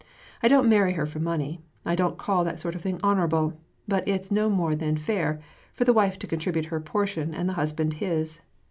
I don't marry her for her money ; I don't call that sort of thing honorable, but it's no more than fair for the wife to contribute her portion and the husband his.